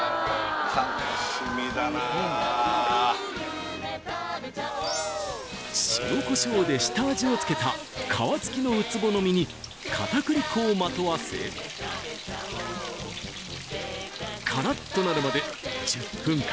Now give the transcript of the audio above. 楽しみだな塩コショウで下味をつけた皮付きのウツボの身に片栗粉をまとわせカラッとなるまで１０分間